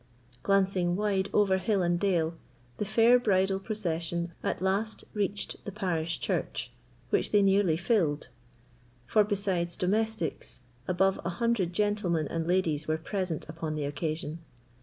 Glancing wide over hill and dale, the fair bridal procession at last reached the parish church, which they nearly filled; for, besides domestics, above a hundred gentlemen and ladies were present upon the occasion.